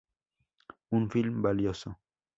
Un film valioso.